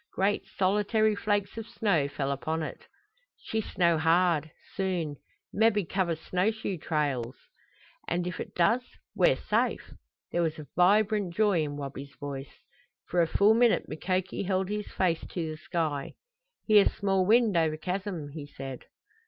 Great solitary flakes of snow fell upon it. "She snow hard soon. Mebby cover snow shoe trails!" "And if it does we're safe!" There was a vibrant joy in Wabi's voice. For a full minute Mukoki held his face to the sky. "Hear small wind over chasm," he said.